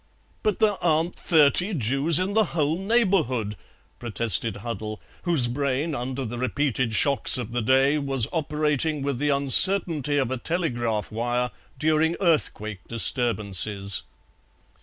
"But there aren't thirty Jews in the whole neighbourhood," protested Huddle, whose brain, under the repeated shocks of the day, was operating with the uncertainty of a telegraph wire during earthquake disturbances.